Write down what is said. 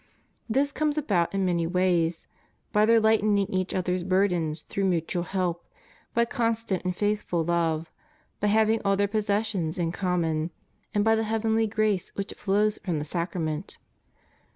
This comes about in many ways: by their lightening each other's burdens through mutual help; by constant and faithful love ; by having all their possessions in common ; and by the heavenly grace which flows from the sacrament.